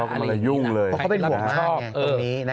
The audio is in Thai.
เขาช็อกมาแล้วยุ่งเลยเพราะเขาเป็นห่วงมาก